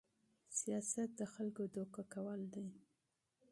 سياست د خلکو غولول دي.